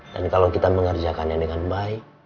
dan kalau kita mengerjakannya dengan baik